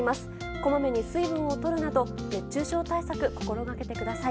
こまめに水分をとるなど熱中症対策、心がけてください。